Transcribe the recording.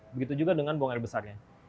begitu juga dengan buang air besarnya